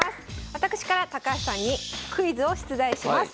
私から高橋さんにクイズを出題します。